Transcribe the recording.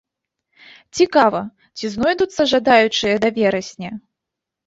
Цікава, ці знойдуцца жадаючыя да верасня?